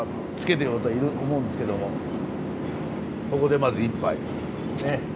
ここでまず１杯ね。